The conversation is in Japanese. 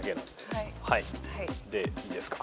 でいいですか？